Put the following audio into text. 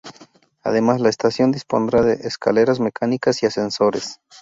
Además, la estación dispondrá de escaleras mecánicas y ascensores.